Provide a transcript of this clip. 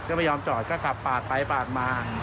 ก็ไม่ยอมจอดก็ขับปาดไปปาดมา